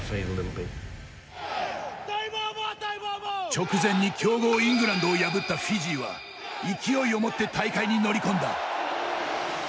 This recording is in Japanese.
直前に強豪イングランドを破ったフィジーは勢いを持って、大会に乗り込んだ。